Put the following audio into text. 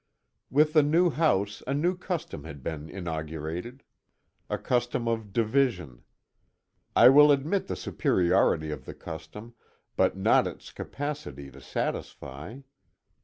With the new house, a new custom had been inaugurated. A custom of division. I will admit the superiority of the custom, but not its capacity to satisfy.